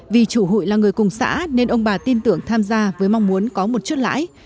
vì chủ hụi là người cùng xã nên ông bà tin tưởng tham gia với mong muốn có một chút lãi